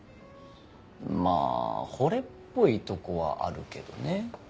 まぁ惚れっぽいとこはあるけどね。